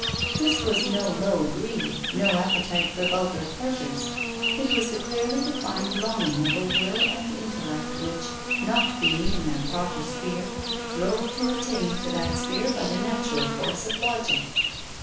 This was no low greed, no appetite for vul gar pleasures ; it was the clearly defined longing of a will and intellect which, not being in their proper sphere, strove to attain to that sphere by the natural force of logic.